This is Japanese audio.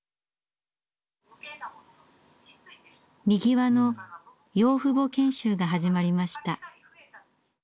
みぎわの養父母研修が始まりました。